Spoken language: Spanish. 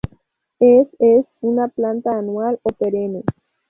Es es una planta anual o perenne.